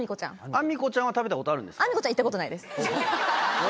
アミコちゃんは食べたことあるんですか？